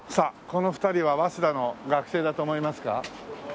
この２人は早稲田の学生だと思いますか？